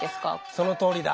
そのとおりだ。